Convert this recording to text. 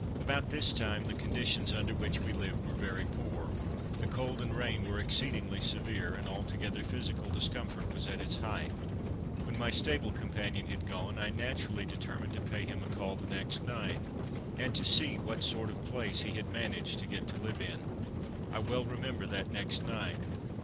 About this time the conditions under which we lived were very poor. The cold and rain were exceedingly severe, and altogether physical discomfort was at its height. When my stable companion had gone I naturally determined to pay him a call the next night, and to see what sort of a place he had managed to get to live in. I well remember that next night.